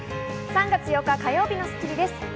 ３月８日、火曜日の『スッキリ』です。